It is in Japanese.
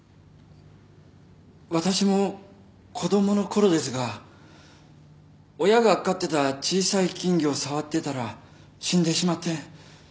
私も子供のころですが親が飼ってた小さい金魚を触ってたら死んでしまって。